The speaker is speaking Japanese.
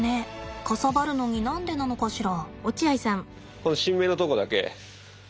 かさばるのに何でなのかしら。